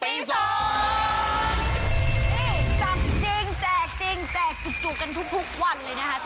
นี่จับจริงแจกจริงแจกจุกกันทุกวันเลยนะคะ